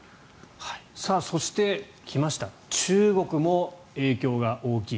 そして、来ました中国も影響が大きい。